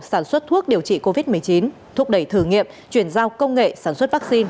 sản xuất thuốc điều trị covid một mươi chín thúc đẩy thử nghiệm chuyển giao công nghệ sản xuất vaccine